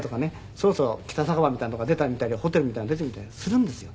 そろそろ『北酒場』みたいなのが出たみたいに『ホテル』みたいなのが出てきたりするんですよ。